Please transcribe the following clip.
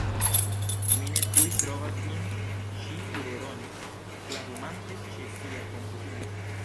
Mi ne tuj trovas vin, ŝi redonis, klavumante ĉe sia komputilo.